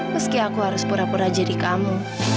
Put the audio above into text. meski aku harus pura pura jadi kamu